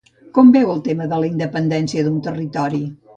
Com veu el tema de la independència d'un territori?